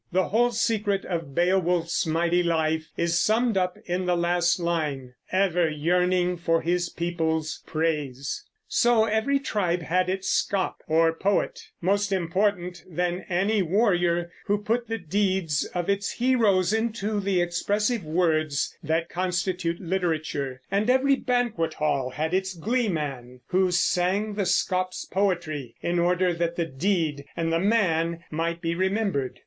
The whole secret of Beowulf's mighty life is summed up in the last line, "Ever yearning for his people's praise." So every tribe had its scop, or poet, more important than any warrior, who put the deeds of its heroes into the expressive words that constitute literature; and every banquet hall had its gleeman, who sang the scop's poetry in order that the deed and the man might be remembered.